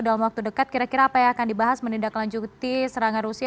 dalam waktu dekat kira kira apa yang akan dibahas menindaklanjuti serangan rusia